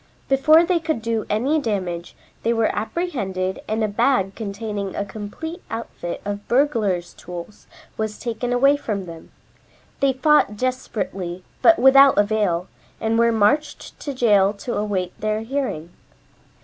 Before they could do any damage they were apprehended and a bag containing a complete outfit of burglar's tools was taken away from them. They fought desperately, but without avail, and were marched to jail to await their hearing.